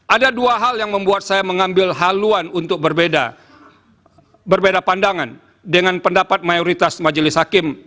ada dua hal yang membuat saya mengambil haluan untuk berbeda pandangan dengan pendapat mayoritas majelis hakim